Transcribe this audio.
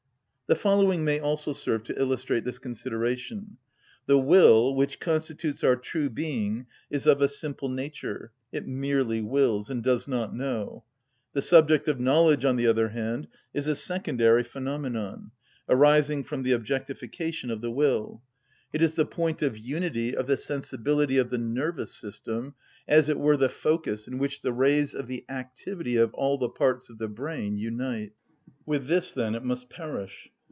The following may also serve to illustrate this consideration. The will, which constitutes our true being, is of a simple nature; it merely wills, and does not know. The subject of knowledge, on the other hand, is a secondary phenomenon, arising from the objectification of the will; it is the point of unity of the sensibility of the nervous system, as it were the focus in which the rays of the activity of all the parts of the brain unite. With this, then, it must perish.